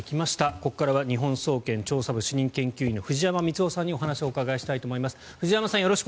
ここからは日本総研調査部主任研究員の藤山光雄さんにお話をお伺いしたいと思います。